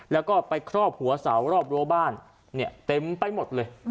แล้วก็ไปครอบหัวเสารอบรั้วบ้านเนี่ยเต็มไปหมดเลย